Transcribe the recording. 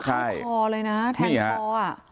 แทงคอเลยนะแทงคออ่ะ